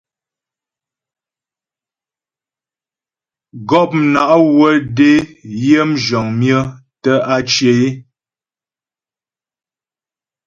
Gɔpna' wə́ dé yə mzhəŋ myə tə́ á cyə é.